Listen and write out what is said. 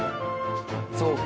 そうか。